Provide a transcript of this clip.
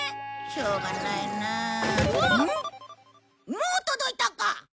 もう届いたか！